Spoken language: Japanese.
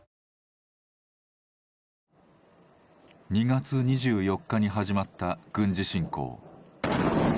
２月２４日に始まった軍事侵攻。